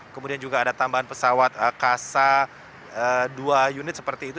kemudian juga ada tambahan pesawat kasa dua unit seperti itu